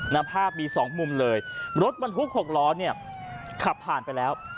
ภาพมีสองมุมเลยรถบรรทุกหกล้อเนี่ยขับผ่านไปแล้ว